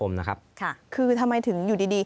สนุนโดยอีซุสุข